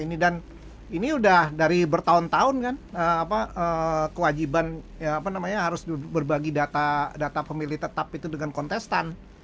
ini dan ini udah dari bertahun tahun kan kewajiban harus berbagi data pemilih tetap itu dengan kontestan